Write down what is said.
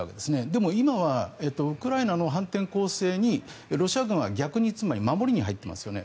でも今はウクライナの反転攻勢にロシア軍は逆につまり守りに入っていますよね。